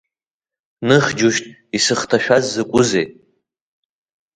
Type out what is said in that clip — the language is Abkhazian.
Ных џьушьҭ исыхҭашәаз закәызеи?